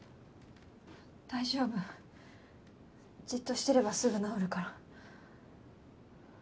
大丈夫じっとしてればすぐ治るから。